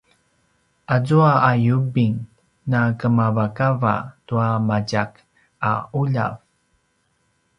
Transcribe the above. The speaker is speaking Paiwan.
azua a yubing nakemavakava tua matjak a ’uljav